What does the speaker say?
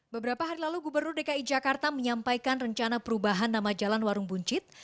beberapa hari lalu gubernur dki jakarta menyampaikan rencana perubahan nama jalan warung buncit